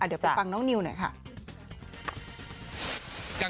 เดี๋ยวไปฟังน้องนิวหน่อยค่ะ